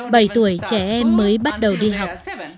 bảy tuổi trẻ em mới bắt đầu đi học